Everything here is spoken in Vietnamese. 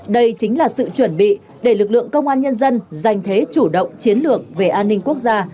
đây chính là sự chuẩn bị để lực lượng công an nhân dân giành thế chủ động chiến lược về an ninh quốc gia